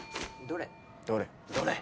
どれ？